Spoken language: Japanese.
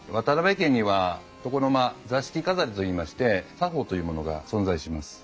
家には床の間座敷飾りといいまして作法というものが存在します。